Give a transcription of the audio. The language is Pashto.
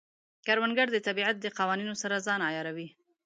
کروندګر د طبیعت د قوانینو سره ځان عیاروي